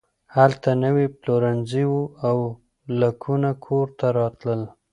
هلته نوي پلورنځي وو او لیکونه کور ته راتلل